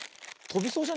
とびそう。